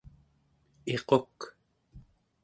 iquk